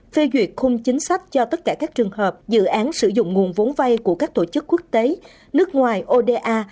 phê duyệt khung chính sách cho tất cả các trường hợp dự án sử dụng nguồn vốn vay của các tổ chức quốc tế nước ngoài oda